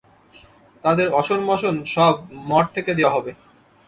তাদের অশন-বসন সব মঠ থেকে দেওয়া হবে।